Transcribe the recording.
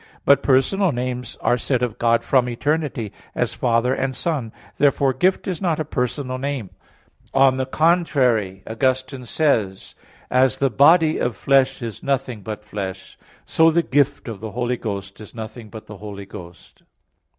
But personal names are said of God from eternity; as "Father," and "Son." Therefore "Gift" is not a personal name. On the contrary, Augustine says (De Trin. xv, 19): "As the body of flesh is nothing but flesh; so the gift of the Holy Ghost is nothing but the Holy Ghost."